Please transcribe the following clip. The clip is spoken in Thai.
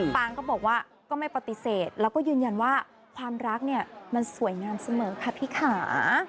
ปางก็บอกว่าก็ไม่ปฏิเสธแล้วก็ยืนยันว่าความรักเนี่ยมันสวยงามเสมอค่ะพี่ขา